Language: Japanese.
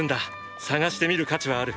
探してみる価値はある！